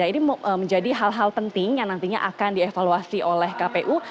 ini menjadi hal hal penting yang nantinya akan dievaluasi oleh kpu